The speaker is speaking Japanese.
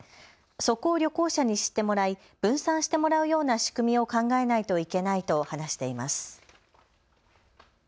そこを旅行者に知ってもらい分散してもらうような仕組みを考えないといけないと話しています。